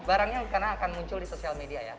barangnya karena akan muncul di sosial media ya